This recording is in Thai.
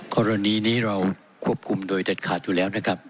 กรณีนี้เราควบคุมโดยเด็ดขาดอยู่แล้วนะครับ